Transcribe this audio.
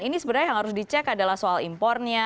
ini sebenarnya yang harus dicek adalah soal impornya